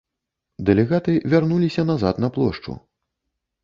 Дэлегаты вярнуліся назад на плошчу.